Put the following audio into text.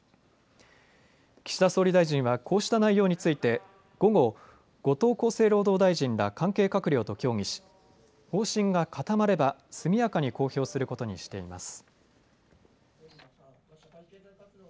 岸田総理大臣はこうした内容について午後、後藤厚生労働大臣ら関係閣僚と協議し方針が固まれば速やかに公表することにしています。